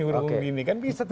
kan bisa terjadi gitu